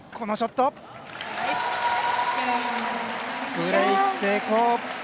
ブレーク成功。